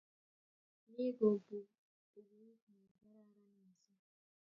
Ni ko pukuit ne kararan missing'.